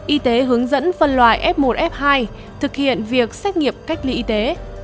y tế hướng dẫn phân loại f một f hai thực hiện việc xét nghiệm cách ly y tế